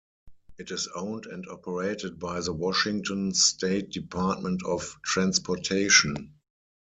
It is owned and operated by the Washington State Department of Transportation.